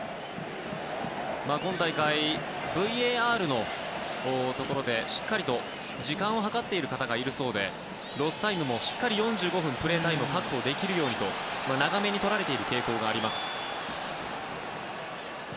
今大会、ＶＡＲのところでしっかりと時間を計っている方がいるそうでロスタイムもしっかり４５分プレータイムを確保できるようにと長めにとられている傾向があります。